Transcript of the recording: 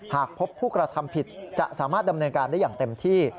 หากพบผู้กระทำผิดจะสามารถดำเนินการได้อย่างเต็มที่